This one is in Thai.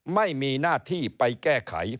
ไม่มีหน้าที่ไปแก้ไข